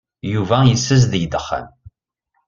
Yuba yessazdeg-d axxam.